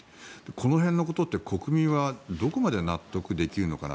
この辺のことって国民はどこまで納得できるのかな。